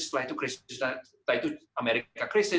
setelah itu krisis setelah itu amerika krisis